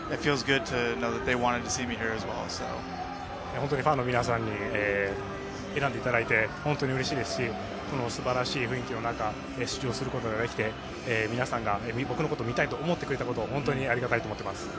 本当にファンの皆さんに選んでいただいて本当にうれしいですしこの素晴らしい雰囲気の中で出場することができて皆さんが僕のことを見たいと思ってくれたことを本当にありがたいと思っています。